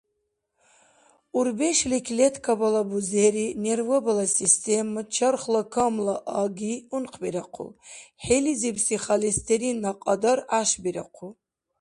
Урбешли клеткабала бузери, нервабала система, чархла камла аги ункъбирахъу, хӀилизибси холестеринна кьадар гӀяшбирахъу.